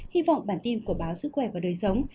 hy vọng bản tin của báo sức khỏe và đời sống